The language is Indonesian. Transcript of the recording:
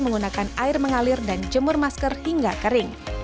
menggunakan air mengalir dan jemur masker hingga kering